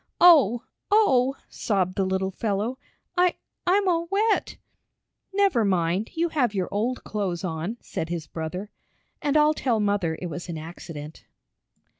"Oh! Oh!" sobbed the little fellow. "I I'm all wet." "Never mind, you have your old clothes on," said his brother. "And I'll tell mother it was an accident."